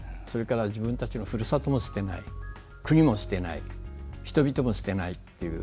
自分たちのふるさとも捨てない国も捨てない人々も捨てないという。